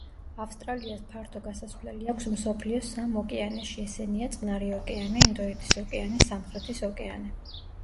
ავსტრალიას ფართო გასასვლელი აქვს მსოფლიოს სამ ოკეანეში ესენია: წყნარი ოკეანე, ინდოეთის ოკეანე, სამხრეთის ოკეანე.